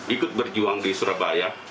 ikut berjuang di surabaya